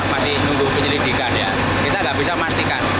masih nunggu penyelidikan ya kita nggak bisa memastikan